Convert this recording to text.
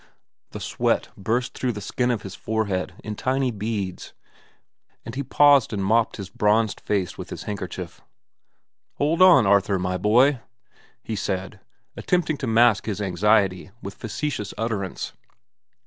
The sweat burst through the skin of his forehead in tiny beads, and he paused and mopped his bronzed face with his handkerchief. "Hold on, Arthur, my boy," he said, attempting to mask his anxiety with facetious utterance.